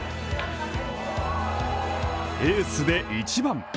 エースで１番。